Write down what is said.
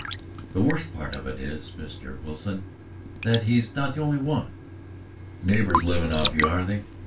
"The worst part of it is, Mr. Wilson, that he's not the only one." "Neighbors livin' off of you, are they?